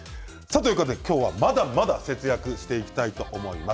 まだまだ節約していきたいと思います。